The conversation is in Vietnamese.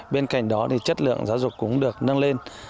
bên cạnh đó thì chất lượng giáo dục cũng được nâng lên